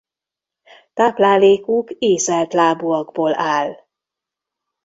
Táplálékuk ízeltlábúakból áll.